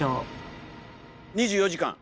２４時間。